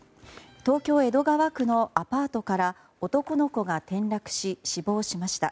東京・江戸川区のアパートから男の子が転落し、死亡しました。